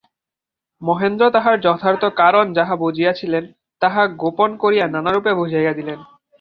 মহেন্দ্র তাহার যথার্থ কারণ যাহা বুঝিয়াছিলেন তাহা গোপন করিয়া নানারূপে বুঝাইয়া দিলেন।